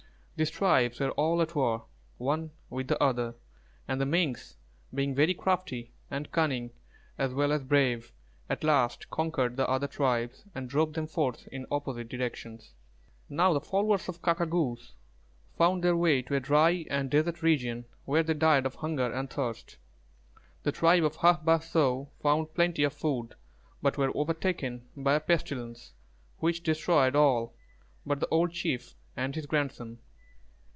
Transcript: These tribes were all at war, one with the other, and the Minks, being very crafty and cunning, as well as brave, at last conquered the other tribes, and drove them forth in opposite directions. Now the followers of Kā kā gūs found their way to a dry and desert region where they died of hunger and thirst; the tribe of Hā bāh so found plenty of food, but were overtaken by a pestilence which destroyed all but the old chief and his grandson.